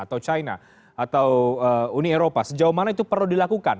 atau china atau uni eropa sejauh mana itu perlu dilakukan